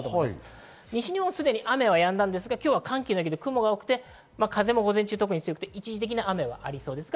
西日本はすでに雨はやみましたが、寒気の影響で雲が多く、風も午前中は特に強く、一時的な雨がありそうです。